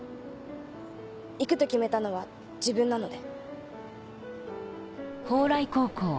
行くと決めたのは自分なので。